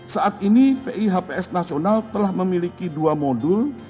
saat ini pihps nasional telah memiliki dua modul